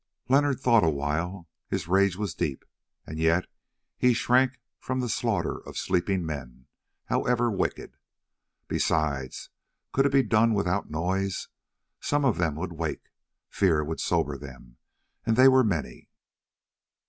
Leonard thought awhile. His rage was deep, and yet he shrank from the slaughter of sleeping men, however wicked. Besides, could it be done without noise? Some of them would wake—fear would sober them, and they were many.